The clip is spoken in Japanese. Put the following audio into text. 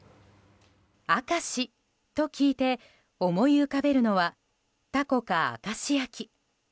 明石と聞いて思い浮かべるのはタコか明石焼き。